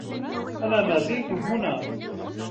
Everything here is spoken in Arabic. أنا ما زلت هنا.